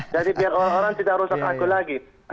jadi biar orang orang tidak rusak aku lagi